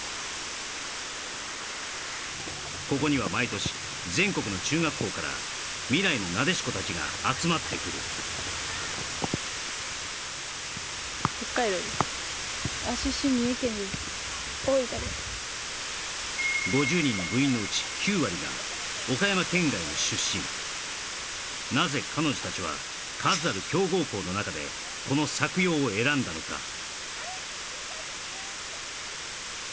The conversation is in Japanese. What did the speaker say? ここには毎年全国の中学校から未来のなでしこたちが集まってくる５０人の部員のうち９割が岡山県外の出身なぜ彼女たちは数ある強豪校の中でこの作陽を選んだのか？